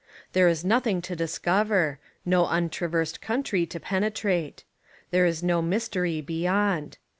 There is noth ing to discover, no untraversed country to pene trate. There is no mystery beyond.